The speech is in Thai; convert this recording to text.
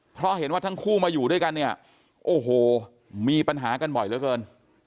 เพราะเห็นว่าทั้งคู่มาอยู่ด้วยกันเนี่ยโอ้โหมีปัญหากันบ่อยเหลือเกิน